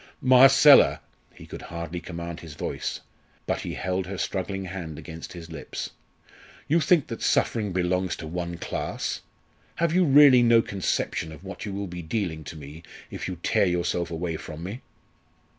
"Marcella!" he could hardly command his voice, but he held her struggling hand against his lips. "You think that suffering belongs to one class? Have you really no conception of what you will be dealing to me if you tear yourself away from me?"